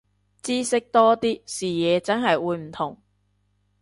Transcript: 知識多啲，視野真係會唔同